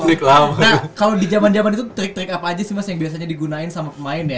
nah kalau di zaman zaman itu trik trik apa aja sih mas yang biasanya digunakan sama pemain ya